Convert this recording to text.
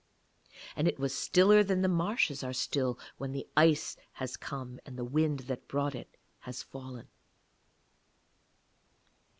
And it was stiller than the marshes are still when the ice has come and the wind that brought it has fallen.